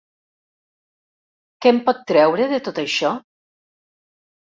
Què en pot treure, de tot això?